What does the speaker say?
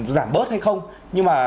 giảm bớt hay không nhưng mà